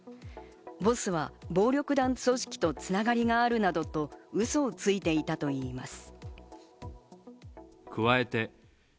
ボスは暴力団組織と繋がりがあるなどとウソをついていたといいます。